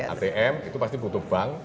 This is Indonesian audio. atm itu pasti butuh bank